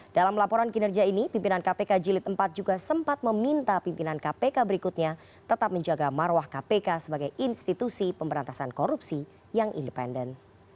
dalam laporan kinerja ini pimpinan kpk jilid iv juga sempat meminta pimpinan kpk berikutnya tetap menjaga marwah kpk sebagai institusi pemberantasan korupsi yang independen